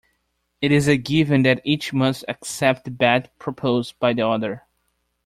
It is a given that each must accept the bet proposed by the other.